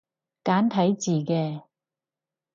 簡體字嘅